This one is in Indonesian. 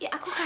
ya aku kasih